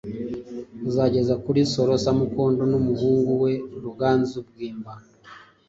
kuzageza kuri Nsoro Samukondo n'umuhungu we Ruganzu Bwimba.